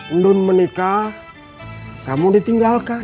undun menikah kamu ditinggalkan